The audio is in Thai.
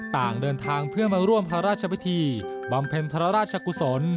ต่างเดินทางเพื่อมาร่วมพระราชพิธีบำเพ็ญพระราชกุศล